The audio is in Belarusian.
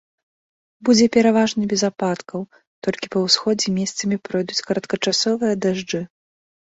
Будзе пераважна без ападкаў, толькі па ўсходзе месцамі пройдуць кароткачасовыя дажджы.